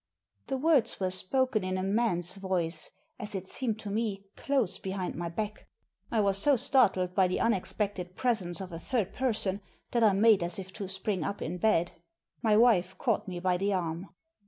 The words were spoken in a man's voice, as it seemed to me, close behind my back. I was so startled by the unexpected presence of a third person that I made as if to spring up in bed. My wife caught me by the arm.